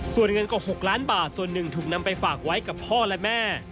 ส่วนเงินกว่า๖ล้านบาทส่วนหนึ่งถูกนำไปฝากไว้กับพ่อและแม่